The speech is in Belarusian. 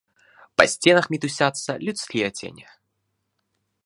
Па сценах мітусяцца людскія цені.